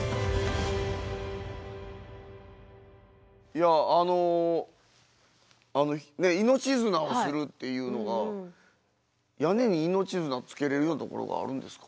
いやあの命綱をするっていうのが屋根に命綱つけれるようなところがあるんですか？